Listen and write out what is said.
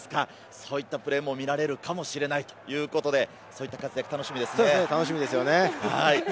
そういったプレーも見られるかもしれないということで、そういった活躍、楽しみ楽しみですね。